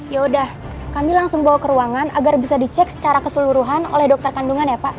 ya udah kami langsung bawa ke ruangan agar bisa dicek secara keseluruhan oleh dokter kandungan ya pak